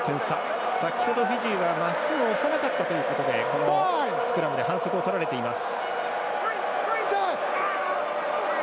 先ほどフィジーはまっすぐ押さなかったことでスクラムで反則をとられています。